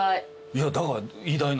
いやだから。